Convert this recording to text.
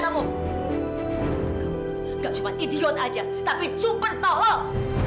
kamu itu nggak cuma idiot saja tapi super bohong